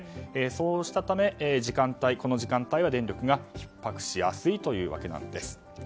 そうしたためこの時間帯は電力がひっ迫しやすいということです。